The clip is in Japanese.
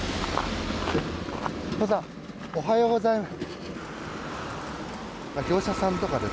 お父さん、おはようございます。